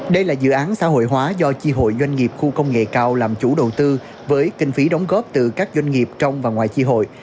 đây là dự án xã hội hóa do chi hội doanh nghiệp khu công nghệ cao làm chủ đầu tư với kinh phí đóng góp từ các doanh nghiệp trong và ngoài tri hội